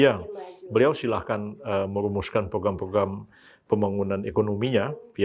ya beliau silahkan merumuskan program program pembangunan ekonominya